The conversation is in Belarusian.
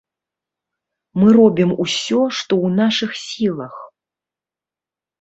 Мы робім усё, што ў нашых сілах.